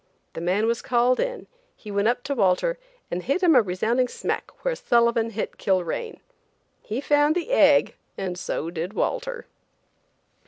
The man was called in, he went up to Walter and hit him a resounding smack where Sullivan hit Kilrain. He found the egg and so did Walter!